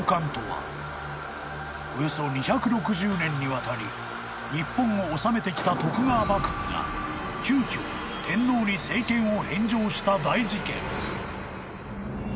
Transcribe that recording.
［およそ２６０年にわたり日本を治めてきた徳川幕府が急きょ天皇に政権を返上した大事件］